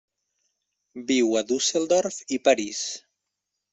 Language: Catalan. Viu a Düsseldorf i París.